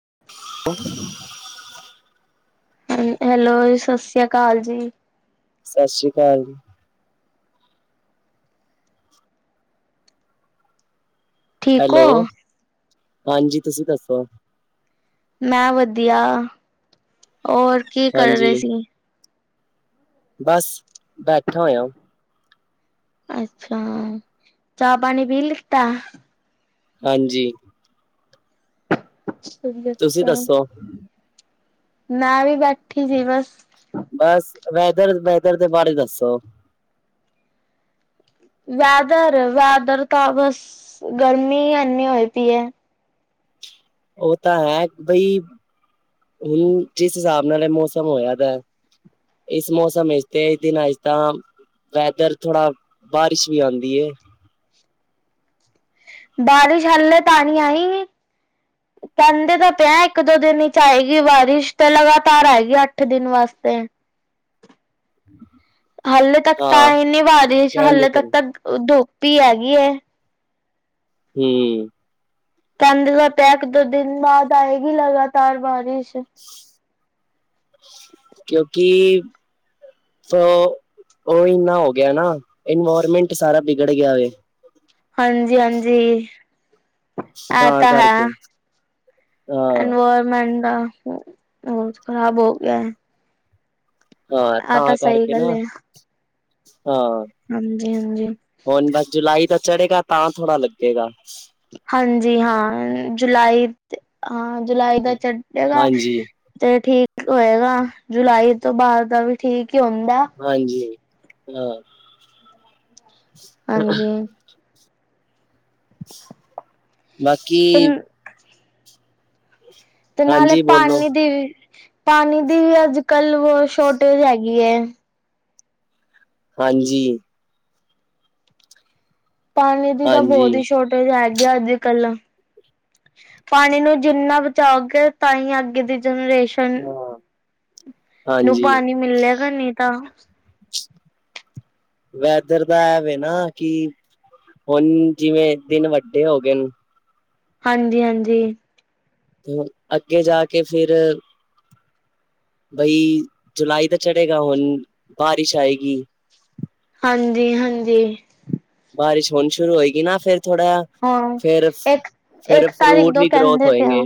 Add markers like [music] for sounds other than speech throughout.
[unintelligible] Hello Sat Sri ਅਕਾਲ ਜੀ ਸਤਿ ਸ੍ਰੀ ਅਕਾਲ ਜੀ ਠੀਕ ਹੈਲੋ ਹਾਂਜੀ ਤੁਸੀਂ ਦੱਸੋ ਮੈਂ ਵਧੀਆ ਹੋਰ ਕੀ ਕਰ ਰਹੇ ਹਾਂਜੀ ਸੀ ਬਸ ਬੈਠਾ ਹੋਇਆ ਅੱਛਾ ਚਾਹ ਪਾਣੀ ਪੀ ਲਿੱਤਾ ਹਾਂਜੀ [unintelligible] ਤੁਸੀਂ ਅੱਛਾ ਦੱਸੋ ਮੈਂ ਵੀ ਬੈਠੀ ਸੀ ਬਸ ਬਸ ਵੈਦਰ ਵੈਦਰ ਦੇ ਬਾਰੇ ਦੱਸੋ ਵੈਦਰ ਵੈਦਰ ਤਾਂ ਬਸ ਗਰਮੀ ਇਨੀ ਹੋਏ ਪਈ ਹੈ ਉਹ ਤਾਂ ਹੈ ਬਈ ਹੁਣ ਜਿਸ ਹਿਸਾਬ ਨਾਲ ਇਹ ਮੌਸਮ ਹੋਇਆਦਾ ਇਸ ਮੌਸਮ ਅ ਤੇ ਇਸ ਦਿਨ ਆਸ ਤਾਂ ਵੈਦਰ ਥੋੜਾ ਬਾਰਿਸ਼ ਵੀ ਆਉਂਦੀ ਹੈ। ਅੱਛਾ ਬਾਰਿਸ਼ ਹੱਲੇ ਤਾਣੀ ਆਈ ਨੀ ਕਹਿੰਦੇ ਤਾਂ ਪਿਆ ਇੱਕ ਦੋ ਦਿਨ ਵਿਚ ਆਏਗੀ ਬਾਰਿਸ਼ ਤੇ ਲਗਾਤਾਰ ਆਏਗੀ ਅੱਠ ਦਿਨ ਵਾਸਤੇ ਹ [inaudible] ਹਾਲੇ ਤੱਕ ਤਾਂ ਹਾਂ ਹੀ ਨੀ ਵਾਰਿਸ਼ ਕਹਿਣ ਦੀ ਹਾਲੇ ਤੱਕ ਤਾਂ ਦੁੱਪ ਭ ਆਗੀਈ ਹਮ ਚੰਦ ਦਾ ਪੈਕ ਦੋ ਦਿਨ ਬਾਅਦ ਆਏਗੀ ਲਗਾਤਾਰ ਬਾਰਿਸ਼ ਕਿਉਂਕਿ ਉਹ ਇਨਾ ਹੋ ਗਿਆ ਨਾ ਇਨਵਾਇਰਮੈਂਟ ਸਾਰਾ ਬੀਗੜ ਗਿਆ ਏ ਹਾਂਜੀ-ਹਾਂਜੀ, ਆ ਤਾਂ ਹੈ ਹਾਂ ਐਨਵਰਮੈਂਟ ਬ ਖ਼ਰਾਬ ਹੋ ਗਿਆ ਹੈ। ਹਾਂ ਆਹ ਤਾਂ ਸਹੀ ਕਰਕੇ ਨਾ ਗੱਲ ਹੈ ਹਾਂ ਹਾਂਜੀ ਹਾਂਜੀ ਹੁਣ ਬਸ ਜੁਲਾਈ ਦਾ ਚੜ੍ਹੇਗਾ ਤਾਂ ਥੋੜ੍ਹਾ ਲੱਗੇਗਾ। ਹਾਂਜੀ, ਹਾਂ ਜੁਲਾਈ ਹਾਂ ਜੁਲਾਈ ਦਾ ਚੱਡੇਗਾ ਹਾਂਜੀ ਤੇ ਠੀਕ ਹੋਏਗਾ, ਜੁਲਾਈ ਤੋਂ ਬਾਹਰ ਦਾ ਵੀ ਠੀਕ ਹੀ ਹੁੰਦਾ। ਹੂੰ, ਹਾਂਜੀ, ਬਾਕੀ ਤੇ ਤੇ ਨਾਲੇ ਹਾਂਜੀ ਬੋਲੋ ਪਾਨੀ ਦੀ ਵੀ ਪਾਣੀ ਦੀ ਵੀ ਅੱਜ-ਕੱਲ੍ਹ ਸ਼ੋਰਟੇਜ ਹੈਗੀ ਐ। ਹਾਂਜੀ, ਪਾਣੀ ਦੀ ਤਾਂ ਹਾਂਜੀ ਬਹੁਤ ਹੀ ਸ਼ੋਰਟੇਜ ਹੈਗੀ। ਅੱਜ-ਕੱਲ ਪਾਣੀ ਨੂੰ ਜਿੰਨਾ ਬਚਾਓਗੇ, ਤਾਂ ਹੀ ਅੱਗੇ ਦੀ ਜਨਰੇਸ਼ਨ ਹਾਂ ਨੂੰ ਹਾਂਜੀ ਪਾਣੀ ਮਿਲਿਆ ਗਾ ਨੀ, ਤਾਂ ਵੈਦਰ ਤਾਂ ਐਵੇ ਨਾ ਕਿ ਹੁਣ ਜਿਵੇਂ ਦਿਨ ਵੱਡੇ ਹੋ ਗਏ ਨੂੰ ਹਾਂਜੀ-ਹਾਂਜੀ, ਤੇ ਅੱਗੇ ਜਾ ਕੇ ਫਿਰ ਬਈ ਜੁਲਾਈ ਤਾਂ ਚੜੇਗਾ, ਹੁਣ ਬਾਰਿਸ਼ ਆਏਗੀ। ਹਾਂਜੀ-ਹਾਂਜੀ, ਬਾਰਿਸ਼ ਹੋਣੀ ਸ਼ੁਰੂ ਹੋਏਗੀ ਨਾ ਫੇਰ ਹਾਂ ਫਿਰ ਇੱਕ-ਇੱਕ ਤਾਰੀਖ ਫਰੂਟ ਦੋ ਵੀ ਗਰੋਥ ਕਹਿੰਦੇ ਪਏ ਆ। ਹੋਏਗੇ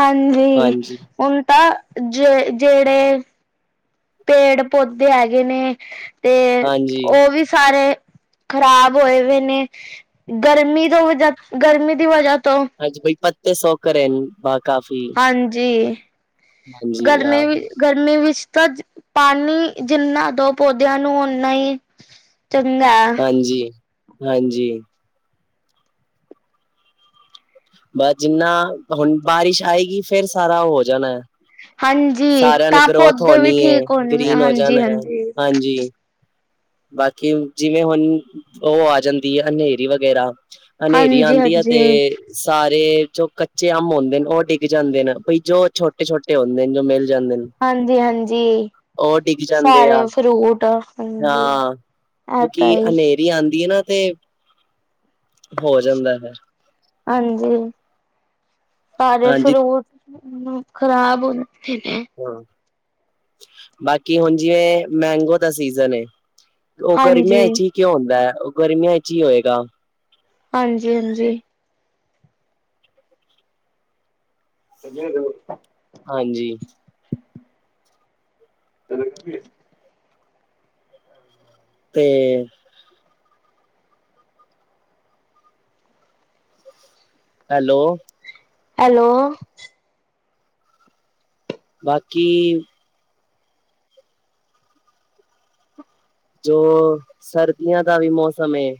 ਹਾਂਜੀ, ਹੁਣ ਤਾ ਜੇ ਜਿਹੜੇ ਪੇੜ ਪੌਦੇ ਹੈਗੇ ਨੇ ਤੇ ਹਾਂਜੀ ਉਹ ਵੀ ਸਾਰੇ ਖ਼ਰਾਬ ਹੋਏ-ਹੋਏ ਨੇ ਗਰਮੀ ਤੋਂ ਗਰਮੀ ਦੀ ਵਜ੍ਹਾ ਤੋਂ ਹਾਂਜੀ, ਬਈ ਪੱਤੇ ਸੌ ਕਰੇ ਬਾਕ ਹਾਂਜੀ, ਹਾਂਜੀ ਆ ਗਰਮੀ-ਗਰਮੀ ਵਿੱਚ ਤਾਂ ਪਾਣੀ ਜਿੰਨਾ ਦੋ ਪੌਦਿਆਂ ਨੂੰ ਓਨਾ ਹੀ ਚੰਗਾ ਐ। ਹਾਂਜੀ ਹਾਂਜੀ, ਬਸ ਜਿੰਨਾ ਹੁਣ ਬਾਰਿਸ਼ ਆਏਗੀ, ਫੇਰ ਸਾਰਾ ਉਹ ਹੋ ਜਾਣਾ ਹੈ। ਹਾਂਜੀ, ਸਾਰਿਆਂ ਨੇ ਤਾਂ ਗਰੋਥ ਪੌਦੇ ਹੋਣੀ ਵੀ ਹੈ ਠੀਕ ਹੋਣੇ ਆ ਗ੍ਰੀਨ ਹੋ ਜਾਣਾ ਹੈ ਹਾਂਜੀ-ਹਾਂਜੀ, ਹਾਂਜੀ ਬਾਕੀ ਜਿਵੇਂ ਹੁਣ ਉਹ ਆ ਜਾਂਦੀ ਹੈ, ਹਨੇਰੀ ਵਗੈਰਾ ਹਨੇਰੀ ਹਾਂਜੀ ਆਦੀ ਹੈ ਹਾਂਜੀ ਤੇ ਸਾਰੇ ਜੋ ਕੱਚੇ ਅੰਬ ਹੁੰਦੇ ਨੇ ਉਹ ਡਿੱਗ ਜਾਂਦੇ ਨੇ, ਬਈ ਜੋ ਛੋਟੇ-ਛੋਟੇ ਹੁੰਦੇ ਨੇ ਜੋ ਮਿਲ ਜਾਂਦੇ ਨੇ ਹਾਂਜੀ-ਹਾਂਜੀ, ਉਹ ਡਿੱਗ ਜਾਂਦੇ ਆ ਸਾਰੇ ਫਰੂਟ ਹਾਂਜੀ। ਹਾਂ ਇਹ ਕਿਉਂਕਿ ਤਾਂ ਹੀ ਹਨੇਰੀ ਆਦੀ ਹੈ ਨਾ, ਤੇ ਹੋ ਜਾਂਦਾ ਫੇਰ ਪਰ ਫਿਰੋਜ਼ ਖ਼ਰਾਬ ਹ ਹਾਂ ਬਾਕੀ ਹੁਣ ਜਿਵੇਂ, ਮੈਂਗੋ ਦਾ ਸੀਜਨ ਉਹ ਗਰਮੀਆਂ ਹਾਂਜੀ ਵਿੱਚ ਹੀ ਕਿਉਂ ਹੁੰਦਾ ਹੈ, ਉਹ ਗਰਮੀਆਂ ਵਿੱਚ ਹੀ ਹੋਏਗਾ। ਹਾਂਜੀ-ਹਾਂਜੀ, [unintelligible] ਹਾਂਜੀ [unintelligible] ਤੇ ਹੈਲੋ ਹੈਲੋ ਬਾਕੀ ਜੋ ਸਰਦੀਆਂ ਦਾ ਵੀ ਮੌਸਮ ਏ।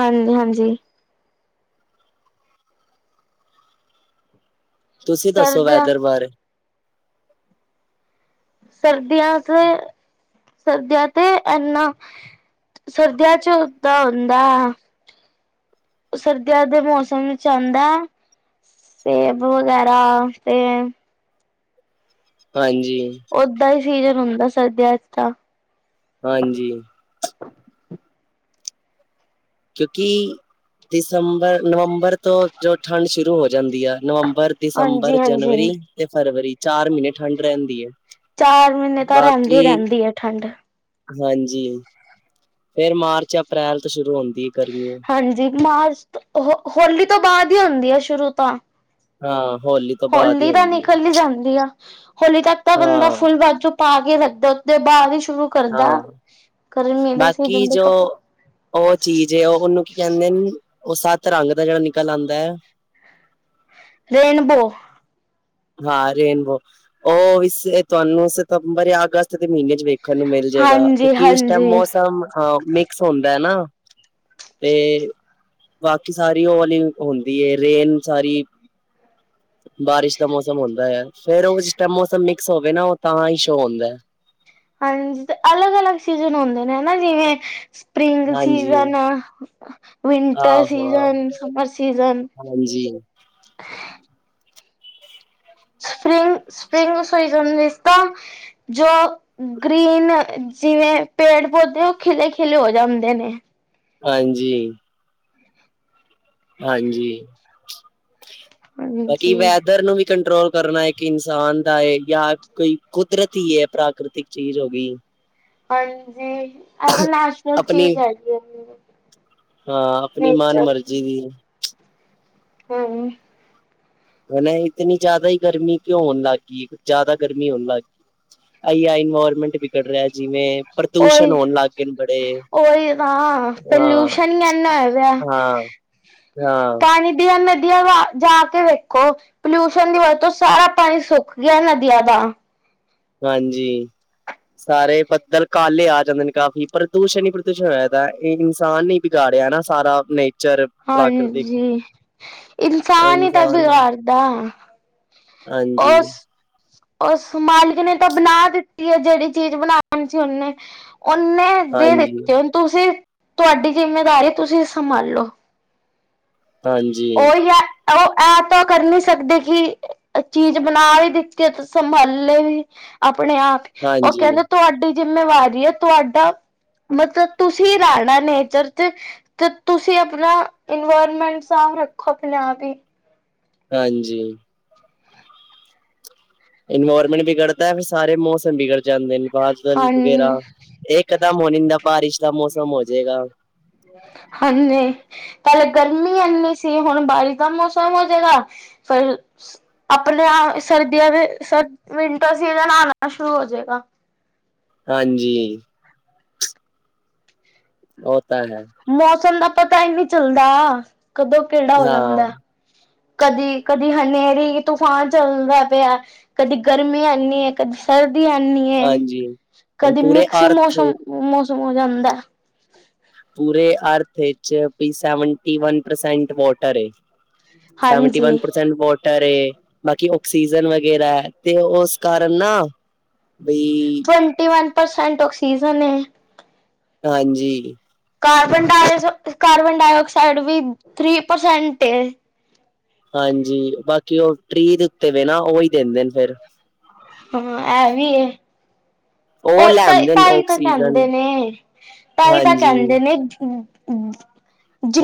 ਹਾਂਜੀ -ਹਾਂਜੀ ਤੁਸੀਂ ਦੱਸੋ ਸਰਦੀਆਂ ਵੈਦਰ ਬਾਰੇ ਸਰਦੀਆਂ 'ਚ ਸਰਦੀਆਂ ਤੇ ਏਨਾ ਸਰਦੀਆਂ 'ਚ ਦਾ ਹੁੰਦਾ। ਸਰਦੀਆਂ ਦੇ ਮੌਸਮ ਵਿੱਚ ਆਉਂਦਾ। ਸੇਬ ਵਗੈਰਾ ਤੇ ਹਾਂਜੀ ਓਦਾਂ ਹੀ ਸੀਜਨ ਹੁੰਦਾ ਸਰਦੀਆਂ 'ਚ ਤਾਂ ਹਾਂਜੀ ਕਿਉਂਕਿ ਦਸੰਬਰ ਨਵੰਬਰ ਤੋਂ ਜੋ ਠੰਡ ਸ਼ੁਰੂ ਹੋ ਜਾਂਦੀ ਆ ਨਵੰਬ ਪਰ ਹਾਂਜੀ ਦਸੰਬਰ ਜਨਵਰੀ ਹਾਂਜੀ ਤੇ ਫਰਵਰੀ ਚਾਰ ਮਹੀਨੇ ਠੰਢ ਰਹਿੰਦੀ ਏ। ਚਾਰ ਮਹੀਨੇ ਤਾਂ ਰਹਿੰਦੀ- ਰਹਿੰਦੀ ਐ ਠੰਡ। ਹਾਂਜੀ ਫੇਰ ਮਾਰਚ ਅਪ੍ਰੈਲ ਤੋਂ ਸ਼ੁਰੂ ਹੁੰਦੀ ਗਰਮੀ ਹਾਂਜੀ ਮਾਰਚ ਹੋ ਹੌਲੀ ਤੋਂ ਬਾਅਦ ਹੀ ਹੁੰਦੀ ਆ ਸ਼ੁਰੂ ਤਾਂ ਹਾਂ, ਹੋਲੀ ਤੋਂ ਬਾਅਦ ਹੌਲੀ ਹੀ ਤਾਂ ਹੁੰਦੀ ਹੈ। ਨਿਕਲ ਹੀ ਜਾਂਦੀ ਆ। ਹੌਲੀ ਤੱਕ ਤਾਂ ਬੰਦਾ ਹਾਂ-ਹਾਂ, ਫੁੱਲ ਬਾਜੂ ਪਾ ਕੇ ਰੱਖਦਾ ਉਸਦੇ ਬਾਅਦ ਸ਼ੁਰੂ ਕਰਦਾ ਕਰਨ ਮੇਦੇ ਸਹੀ ਬਾਕੀ ਦਿੰਦੇ ਜੋ ਕੱਪੜ ਉਹ ਚੀਜ਼ ਉਹ ਉਹਨੂੰ ਕੀ ਕਹਿੰਣੇ ਨੇ। ਉਹ ਸੱਤ ਰੰਗ ਦਾ ਜਿਹੜਾ ਨਿਕਲ ਆਉਂਦਾ ਐ। ਰੇਨਬੋ ਹਾਂ ਰੇਨਬੋ ਉਹ ਇਸ ਤੁਹਾਨੂੰ ਸਤੰਬਰ ਜਾਂ ਅਗਸਤ ਦੇ ਮਹੀਨੇ 'ਚ ਵੇਖ ਦੇਖਣ ਨੂੰ ਮਿਲ ਜਾਏਗਾ ਹਾਂਜੀ ਕਿਉਂਕਿ ਉਸ ਟਾਈਮ ਹਾਂਜੀ ਮੌਸਮ ਮਿਕਸ ਹੁੰਦਾ ਹੈ ਨਾ। ਤੇ ਬਾਕੀ ਸਾਰੀ ਉਹ ਵਾਲੀ ਹੁੰਦੀ ਰੇਨ ਸਾਰੀ ਬਾਰਿਸ਼ ਮੌਸਮ ਹੁੰਦਾ ਹੈ ਫੇਰ ਉਹ ਜਿਸ ਟਾਈਮ ਮੌਸਮ ਮਿਕਸ ਹੋਵੇ ਨਾ ਉਹ ਤਾਂ ਹੀ ਸ਼ੋਅ ਹੁੰਦਾ। ਹਾਂਜੀ ਤੇ ਅਲੱਗ- ਅਲੱਗ ਸੀਜ਼ਨ ਹੁੰਦੇ ਨੇ ਹਨਾ ਜਿਵੇਂ ਸਪ੍ਰਿੰਗ ਹਾਂਜੀ season winter season summer season ਹਾਂਜੀ ਸਪਿੰਗ- ਸਪ੍ਰਿੰਗ ਸੀਜਨ ਵਿਚ ਤਾਂ ਜੋ ਗ੍ਰੀਨ ਜਿਵੇਂ ਪੇੜ ਪੌਦੇ ਉਹ ਖਿਲੇ ਖਿਲੇ ਹੋ ਜਾਂਦੇ ਨੇ। ਹਾਂਜੀ ਹਾਂਜੀ ਬਾਕੀ ਹਾਂਜੀ-ਹਾਂਜੀ ਵੈਦਰ ਨੂੰ ਵੀ ਕੰਟਰੋਲ ਕਰਨਾ ਇੱਕ ਇਨਸਾਨ ਦਾ ਹੈ ਜਾਂ ਕੋਈ ਕੁਦਰਤੀ ਹੈ ਪ੍ਰਾਕ੍ਰਤਿਕ ਚੀਜ਼ ਹੋ ਗਈ। ਹਾਂਜੀ ਏਤਾਂ ਨੈਚੁਰਲ ਆਪਣੀ ਚੇਜ ਹੈਗੀ ਏ ਜੀ। ਹਾਂ ਆਪਣੀ ਮਨ ਮਰਜ਼ੀ ਦੀ [inaudible] ਹੂੰ ਹੋਣ ਏ ਇਤਨੀ ਜ਼ਿਆਦਾ ਹੀ ਗਰਮੀ ਕਿਉਂ ਹੋਣ ਲੱਗ ਗਈ ਜ਼ਿਆਦਾ ਗਰਮੀ ਹੋਣ ਲੱਗ ਗਈ। ਆਈ ਆ ਇਨਵਾਰਮੈਂਟ ਵਿ ਰਿਹਾ ਜਿਵੇਂ ਪ੍ਰਦੂਸ਼ਣ ਹੋਣ ਲੱਗ ਗਏ ਨੇ ਬੜੇ ਉਹੀ-ਉਹੀ ਹਾਂ। [inaudible] ਹੇਜਾ ਹਾਂ ਹਾਂ ਪਾਣੀ ਦੀਆਂ ਨਦੀਆਂ ਵਾ ਜਾ ਕੇ ਵੇਖੋ ਪਲਿਊਸ਼ਨ ਦੀ ਵਜ ਤੋਂ ਸਾਰਾ ਪਾਣੀ ਸੁੱਕ ਗਿਆ ਨਦੀਆਂ ਦਾ ਹਾਂਜੀ। ਸਾਰੇ ਬੱਦਲ ਕਾਲੇ ਆ ਜਾਂਦੇ ਨੇ ਕਾਫੀ ਪ੍ਰਦੂਸ਼ਣ ਹੀ ਪ੍ਰਦੂਸ਼ਣ ਹਿਆ ਪਿਆ ਹੈ ਇਹ ਇਨਸਾਨ ਹੀ ਬਿਗਾ। ਰੀਆ ਨਾ ਸਾਰਾ ਨਹੀਂ। ਹਾਂਜੀ ਇਹ ਇਨਸਾਨ ਹੀ ਤਾਂ ਨੇ ਬਿਗਾੜਦਾ। ਹਾਂਜੀ। ਉਸ ਉਸ ਮਾਲਿਕ ਨੇ ਤਾਂ ਬਣਾ ਦਿੱਤੀ ਹੈ ਜਿਹੜੀ ਚੀਜ਼ ਬਣਾਣੀ ਸੀ ਉਹਨੇ। ਉਹਨੇ ਦੇ ਹਾਂਜੀ ਦਿੱਤਿ ਹੁਨ ਤੁਸੀਂ ਤੁਹਾਡੀ ਜਿੰਮੇਦਾਰੀ ਤੁਸੀਂ ਸੰਭਾਲੋ। ਹਾਂਜੀ, ਉਹੀ ਹੈ ਉਹ ਐ ਤਾਂ ਕਰ ਨੀ ਸਕਦੇ ਕਿ। ਚੀਜ਼ ਬਣਾ ਵੀ ਦਿੱਤੀ ਤੇ ਸੰਭਾਲੇ ਵੀ ਆਪਣੇ ਆਪ ਹੀ ਉਹ ਹਾਂਜੀ, ਕਹਿੰਦੇ ਤੁਹਾਡੀ। ਜਿੰਮੇਵਾਰੀ ਹੈ ਤੁਹਾਡਾ। ਮਤਲਬ ਤੁਸੀਂ ਰਹਿਣਾ ਨੇਚਰ ਚ ਤੇ ਤੁਸੀਂ ਆਪਣਾ ਇਨਵਾਇਰਮੈਂਟ। ਸਾਫ਼ ਰੱਖੋ ਆਪਣੇ ਆਪ ਹੀ। ਹਾਂਜੀ। ਇਨਵਾਇਰਮੈਂਟ ਵਿਗੜਦਾ ਫੇਰ ਸਾਰੇ ਮੌਸਮ ਵਿਗੜ ਜਾਂਦੇ ਨੇ। ਹਾਂ ਬਾਦਲ ਵਗੈਰਾ ਏਕ ਦਮ ਹੋਨ ਇੰਦਾ ਬਾਰਿਸ਼ ਦਾ ਮੌਸਮ ਹੋਜਏਗਾ। ਹਾਂਜੀ ਕਲ ਗਰਮੀ ਇੰਨੀ ਸੀ ਹੁਣ ਬਾਰਿਸ਼ ਦਾ ਮੌਸਮ ਹੋ ਜੇਗਾ। ਫਿਰ ਆਪਣੇ ਆ ਸਰਦੀਆਂ ਦੇ ਸਰ ਵਿੰਟਰ ਸੀਜਨ ਆਣਾ ਸ਼ੁਰੂ ਹੋ ਜਾਏਗਾ। [unintelligible] ਹਾਂਜੀ। ਅ [unintelligible] ਮੌਸਮ ਦਾ ਪਤਾ ਹੀ ਨਹੀਂ ਚੱਲਦਾ ਕਦੋਂ ਕਿਹੜਾ ਹੋ ਜਾਂਦਾ। ਹਾਂ ਕਦੀ ਕਦੀ ਹਨੇਰੀ ਤੂਫਾਨ ਚੱਲਦਾ ਪਿਆ ਕਦੀ ਗਰਮੀ ਇਨੀ ਹੈ ਕਦੀ ਸਰ। ਐਨੀ ਏ ਹਾਂਜੀ ਹੁਣ ਕਦੇ ਪੂਰੇ ਮਿਕਸ ਅਰਥ ਮੌਸ਼ਮ ਮੌਸਮ ਹੋ ਜਾਂਦਾ। ਪੂਰੇ ਅਰਥ ਵਿੱਚ ਵੀ ਸੈਵਨਟੀ ਵਨ ਪਰਸੈਂਟ ਵੋਟਰ ਏ ਸੈਵਂਟੀ ਵਨ ਹਾਂਜੀ। ਪਰਸੈਂਟ ਵੋਟਰ ਏ। ਬਾਕੀ ਆਕਸੀਜਨ ਵਗੈਰਾ ਹੈ ਤੇ ਉਸ ਕਾਰਨ ਨਾ। ਬਈ ਟਵੰਟੀ ਵਨ ਪਰਸੈਂਟ ਆਕਸੀਜ਼ਨ ਹੈ। ਹਾਂਜੀ। ਕਾਰਬਨ ਡ ਕਾਰਬਨ ਡਾਇਆਕਸਾਈਡ ਵੀ ਥ੍ਰੀ ਪਰਸੈਂਟ ਏ। ਹਾਂਜੀ ਬਾਕੀ ਉਹ ਟ੍ਰੀ ਦੇ ਉੱਤੇ ਵੀ ਨਾ ਉਹੀ ਦਿੰਦੇ ਨੇ ਫਿਰ। ਹਾਂ ਇਹ ਵੀਏ। ਉਹ ਲੈਂਦੇ ਨੇ ਤਾਈ ਤਾਂ ਆਕਸੀਜਨ ਕਹਿੰਦੇ ਨੇ ਤਾਈ ਤਾਂ ਹਾਂਜੀ ਕਹਿੰਦੇ ਨੇ।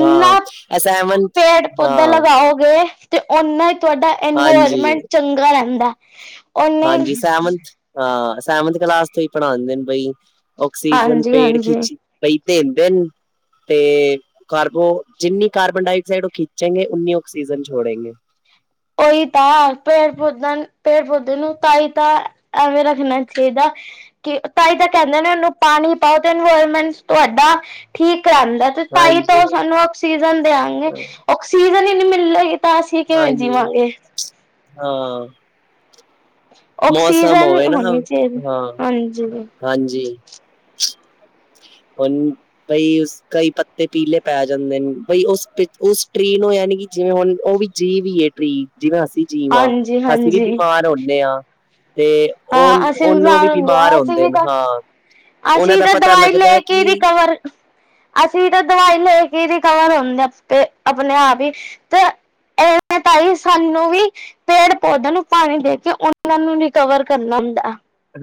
ਹਾਂ ਇਹ ਸੈਵਨਥ ਪੇੜ ਪੋਧਾ ਹਾਂ ਲਗਾਓਗੇ। ਤੇ ਓਨਾ ਹੀ ਤੁਹਾਡਾ ਹਾਂਜੀ ਇਨਵਾਇਰਮੈਂਟ ਚੰਗਾ ਰਹਿੰਦਾ। ਉਹਨੇ ਹਾਂਜੀ ਸਹਿਮੰਤ ਅਹ। ਸੈਵਂਥ ਕਲਾਸ ਤੋਂ ਹੀ ਪੜ੍ਹਾਉਂਦੇ ਨੇ ਬਈ ਆਕਸੀਜਨ ਪੇੜ ਹਾਂਜੀ-ਹਾਂਜੀ ਖਿੱਚ ਬਈ ਦੇਂਦੇ ਹਨ। ਤੇ ਕਾਰਬੋ ਜਿੰਨੀ ਕਾਰਬਨ ਡਾਇਆਕਸਾਈਡ ਉਹ ਖਿੱਚੇਗੇ ਉਓਨੀ ਆਕਸੀਜਨ ਛੋੜੇਗੇ। ਉਹੀ ਤਾਂ ਪੇੜ ਪੌਧਿਆਂ ਪੇੜ ਪੋਧੇ ਨੂੰ ਤਾਂ ਹੀ ਤਾਂ ਐਵੇਂ ਰੱਖਣਾ ਨਈ ਚਾਹੀਦਾ। ਕਿ ਤਾਂ ਹੀ ਤਾਂ ਕਹਿੰਦੇ ਨੇ ਉਹਨੂੰ ਪਾਣੀ ਪਾਓ ਤੇ ਇਨਵਾਇਰਮੈਂਟ ਤੁਹਾਡਾ ਠੀਕ। ਕਰਾਂਦਾ ਤੇ ਤਾਈ ਤਾਂ ਹਾਂਜੀ ਉਹ ਸਾਨੂੰ ਆਕਸੀਜਨ ਦਿਆਂਗੇ ਆਕਸੀਜ। ਤਾਂ ਅਸੀਂ ਕਿਵੇਂ ਹਾਂਜੀ ਜੀਵਾਂਗੇ। ਹਾਂ। ਮੌਸਮ ਓਕਸੀਜਨ ਹੋਵੇ ਨਾ ਹੋਣੀ ਚਾਹੀਦੀ ਹਾਂ ਹਾਂਜੀ। ਹਾਂਜੀ [inaudible] ਹੁਣ ਬਈ ਕਈ ਪੱਤੇ ਪੀਲੇ ਪੈ ਜਾਂਦੇ ਨੇ ਬਈ ਉਸ ਉਸ ਟ੍ਰੀ ਨੂੰ ਐ ਨੀ ਕਿ। ਜਿਵੇਂ ਹੁਣ ਉਹ ਵੀ ਜੀਵ ਹੀ ਹੈ ਟ੍ਰੀ ਜਿਵੇਂ ਅਸੀਂ ਜੀਵ ਹਾਂ ਅਸੀਂ ਵੀ ਹਾਂਜੀ-ਹਾਂਜੀ ਬੀਮਾਰ ਹੁੰਦੇ ਹਾਂ। ਤੇ ਓ ਹਾਂ ਅਸੀਂ ਉਹ ਨੂੰ ਵੀ ਹੁੰਦੇ ਬਿਮਾਰ ਹਾਂ ਅਸੀਂ ਆਉਂਦੇ ਵੀ ਨੇ ਤਾਂ ਹਾਂ। ਉਹਨਾਂ ਅਸੀਂ ਦਾ ਤਾਂ ਪਤਾ ਦਵਾਈ ਲੱਗਦਾ ਲੈ ਹੈ ਕੇ ਕਿ ਰਿਕਵਰ ਅਸੀਂ ਤਾਂ ਦਵਾਈ ਲੈ ਕੇ ਰਿਕਵਰ ਹੁੰ। ਆਪਣੇ ਆਪ ਹੀ ਤਾਂ ਇਹ। ਤ ਹੀ ਸਾਨੂੰ ਵੀ ਪੇੜ ਪੌਦਿਆਂ ਨੂੰ ਪਾਣੀ ਦੇ ਕੇ ਉਹਨਾਂ ਨੂੰ ਰਿਕਵਰ ਕਰਨਾ ਹੁੰਦਾ।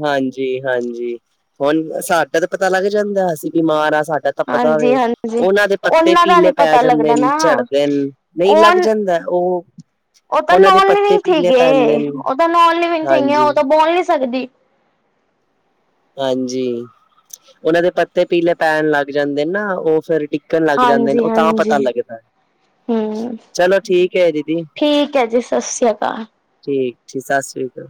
ਹਾਂਜੀ-ਹਾਂਜੀ ਹੁਣ ਸਾਡਾ ਤਾਂ ਪਤਾ ਲੱਗ ਜਾਂਦਾ ਸੀ, ਅਸੀ ਬਿਮਾਰ ਆ ਸਾਡਾ ਤਪਦਾ ਹਾਂਜੀ ਹੋਵੇ, ਹਾਂਜੀ ਉਹਨਾਂ ਦੇ ਪੱਤੇ ਉਹਨਾਂ ਦਾ ਨੀ ਪੀਲੇ ਪੈ ਪਤਾ ਜਾਂਦੇ ਲੱਗਦਾ ਨੇ ਨਾ ਝੜਦੇ ਨੇ ਨਹੀਂ ਉਹ ਲੱਗ ਜਾਂਦੇ। ਉਹ ਉਹ ਤਾਂ ਉਹਨਾਂ ਦੇ ਨੋਨ ਪੱਤੇ ਲਿਵਿੰਗ ਪੀਲੇ ਸੀਗੇ, ਪੈਂਦੇ ਨੇ ਉਹ ਤਾਂ ਨੋਨ ਲਿਵਿੰਗ ਸੀਗੀਆਂ ਉਹ ਹਾਂਜੀ ਤਾਂ ਬੋਲ ਨੀ ਸਕਦੀ ਹਾਂਜੀ, ਉਹਨਾਂ ਦੇ ਪੱਤੇ ਪੀਲੇ ਪੈਣ ਲੱਗ ਜਾਂਦੇ ਨਾ ਉਹ ਫੇਰ ਟੁਟਣ ਲੱਗ ਜਾਂਦੇ ਨੇ ਹਾਂਜੀ ਉਹ ਤਾਂ ਪਤਾ ਹਾਂਜੀ ਲੱਗਦਾ। ਹਮ ਚਲੋ ਠੀਕ ਹੈ ਦੀਦੀ ਠੀਕ ਹੈ ਜੀ ਸਤਿ ਸ੍ਰੀ ਅਕਾਲ ਠੀਕ ਜੀ ਸਤਿ ਸ੍ਰੀ ਕਾਲ